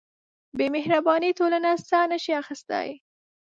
بېمهربانۍ ټولنه ساه نهشي اخیستلی.